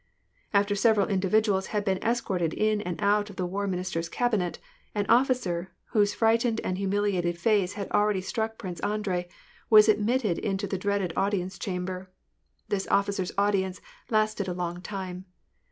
After several individuals had been escorted in and out of the war minister's cabinet, an officer, whose frightened and humiliated face had already struck Prince Andrei, was admitted into the dreaded audi ence chamber. This officer's audience lasted a long time.